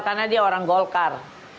karena dia orang golkar